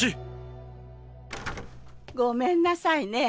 ごめんなさいね。